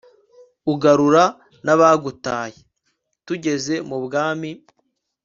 ugarura n'abagutaye, tugeze mu bwami